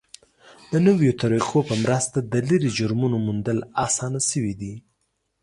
د نویو طریقو په مرسته د لرې جرمونو موندل اسانه شوي دي.